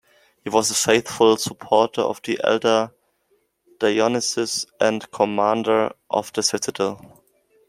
He was a faithful supporter of the elder Dionysius, and commander of the citadel.